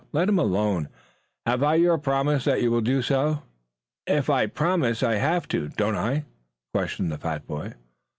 Let him alone. Have I your promise that you will do so?" "If I promise I have to, don't I?" questioned the fat boy.